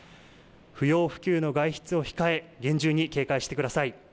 不要不急の外出を控え、厳重に警戒してください。